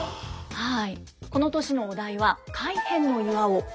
はい。